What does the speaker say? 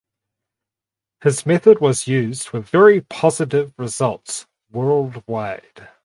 His method was used with very positive results worldwide.